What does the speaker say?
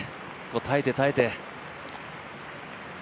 耐えて耐えて。